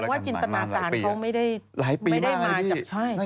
แสดงว่าจินตนาศาลเขาไม่ได้มาจาก